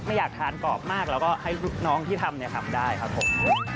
อยากทานกรอบมากแล้วก็ให้ลูกน้องที่ทำเนี่ยทำได้ครับผม